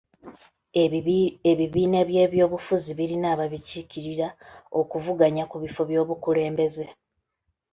Ebibiina by'ebyobufuzi birina ababikiikirira okuvuganya ku bifo by'obukulembeze.